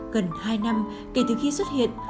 gần hai năm kể từ khi xuất hiện